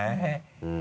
うん。